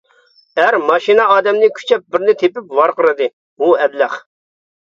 ئەر ماشىنا ئادەمنى كۈچەپ بىرنى تېپىپ ۋارقىرىدى:-ھۇ ئەبلەخ!